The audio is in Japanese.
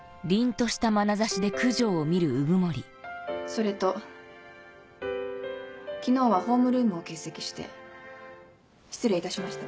それと昨日はホームルームを欠席して失礼いたしました。